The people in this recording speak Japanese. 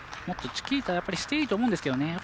もっとチキータしていいと思うんですけどね。